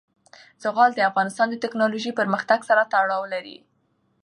زغال د افغانستان د تکنالوژۍ پرمختګ سره تړاو لري.